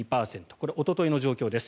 これはおとといの状況です。